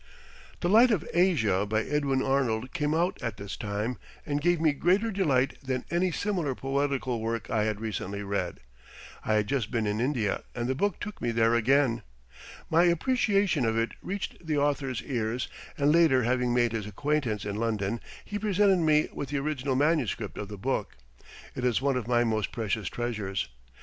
"The Light of Asia," by Edwin Arnold, came out at this time and gave me greater delight than any similar poetical work I had recently read. I had just been in India and the book took me there again. My appreciation of it reached the author's ears and later having made his acquaintance in London, he presented me with the original manuscript of the book. It is one of my most precious treasures.